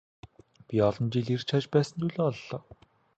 Би олон жил эрж хайж байсан зүйлээ оллоо.